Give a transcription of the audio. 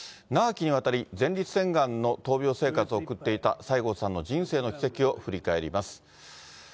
長きにわたり、前立腺がんの闘病生活を送っていた西郷さんの人生の軌跡を振り返ります。